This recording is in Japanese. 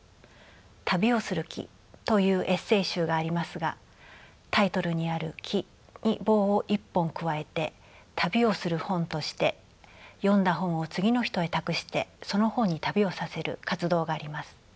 「旅をする木」というエッセー集がありますがタイトルにある「木」に棒を一本加えて「旅をする本」として読んだ本を次の人へ託してその本に旅をさせる活動があります。